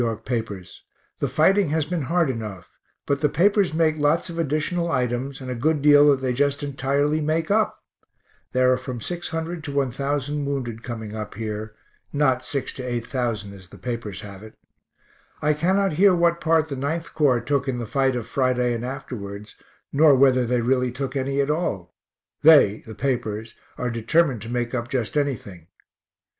Y. papers. The fighting has been hard enough, but the papers make lots of additional items, and a good deal that they just entirely make up. There are from 600 to 1000 wounded coming up here not 6 to 8000 as the papers have it. I cannot hear what part the 9th Corps took in the fight of Friday and afterwards, nor whether they really took any at all (they, the papers, are determined to make up just anything).